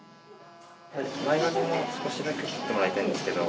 前髪も少しだけ切ってもらいたいんですけど。